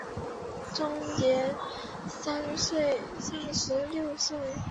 终年三十六岁。